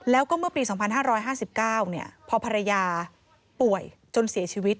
แล้วก็เมื่อปี๒๕๕๙พอภรรยาป่วยจนเสียชีวิต